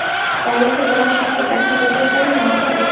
প্যারিসে তোমার সঙ্গে দেখা হতেও পারে, নাও পারে।